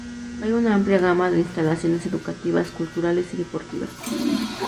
Hay una amplia gama de instalaciones educativas, culturales y deportivas.